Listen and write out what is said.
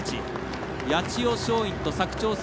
八千代松陰と佐久長聖